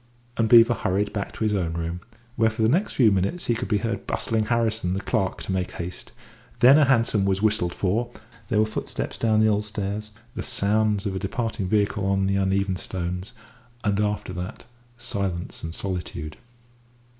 And Beevor hurried back to his own room, where for the next few minutes he could be heard bustling Harrison, the clerk, to make haste; then a hansom was whistled for, there were footsteps down the old stairs, the sounds of a departing vehicle on the uneven stones, and after that silence and solitude.